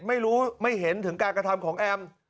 ไม่รู้ไม่เห็นถึงการกระทำของแอม